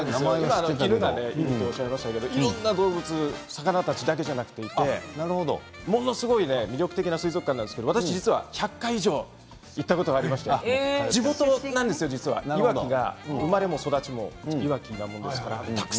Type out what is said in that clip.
犬がいるとおっしゃってましたけどいろんな動物魚たちだけじゃなくてものすごく魅力的な水族館なんですけど私は実は１００回以上行ったことがありまして、地元なんですよいわきが。